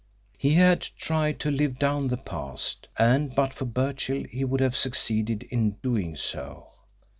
He had tried to live down the past, and but for Birchill he would have succeeded in doing so.